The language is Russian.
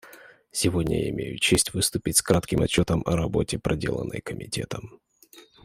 Сегодня я имею честь выступить с кратким отчетом о работе, проделанной Комитетом.